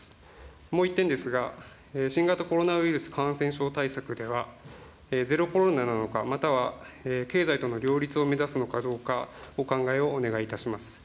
もう一点ですが、新型コロナウイルス感染症対策では、ゼロコロナなのか、または経済との両立を目指すのかどうか、お考えをお願いいたします。